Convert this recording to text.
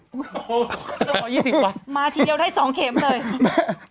ก็ออกยี่สิบกว่ามาทีเดียวได้สองเข็มเลย